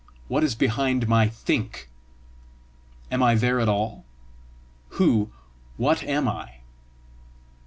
What is behind my THINK? Am I there at all? Who, what am I?"